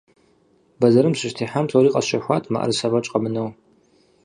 Бэзэрым сыщытехьам, псори къэсщэхуат, мыӏэрысэ фӏэкӏ къэмынэу.